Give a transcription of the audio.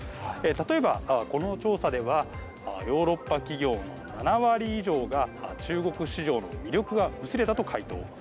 例えば、この調査ではヨーロッパ企業の７割以上が中国市場の魅力が薄れたと回答。